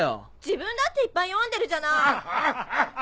自分だっていっぱい読んでるじゃない！